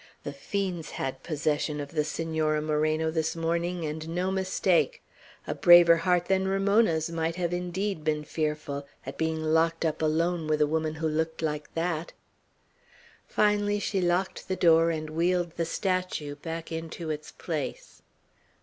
The fiends had possession of the Senora Moreno this morning, and no mistake. A braver heart than Ramona's might have indeed been fearful, at being locked up alone with a woman who looked like that. Finally, she locked the door and wheeled the statue back into its place.